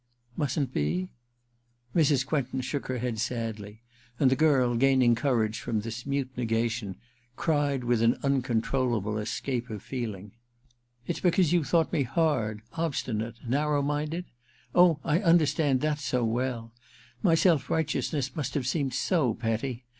' Mustn't be i ' Mrs. Quentin shook her head sadly, and the girl, gaining courage from this mute negation, cried mth an uncontrollable escape of feeling :^ It's because you thought me hard, obstinate, narrow minded ? Oh, I understand that so well 1 My self^righteousness must have seemed so petty